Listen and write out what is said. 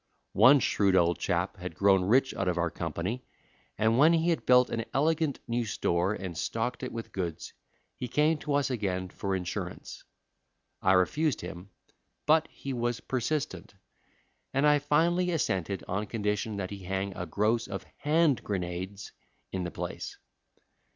"One shrewd old chap had grown rich out of our company, and when he had built an elegant new store and stocked it with goods he came to us again for insurance. I refused him, but he was persistent, and I finally assented on condition that he hang a gross of hand grenades in the place.